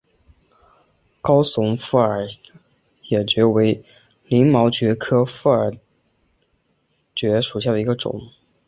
高耸复叶耳蕨为鳞毛蕨科复叶耳蕨属下的一个种。